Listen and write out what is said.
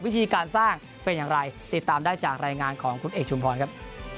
วิธีการสร้างเป็นอย่างไรติดตามได้จากรายงานของคุณเอกชุมพรครับ